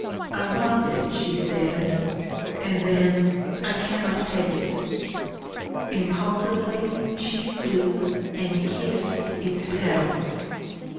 "I want it," she said; and then, "I cannot take it...." Impulsively she stooped and kissed its petals.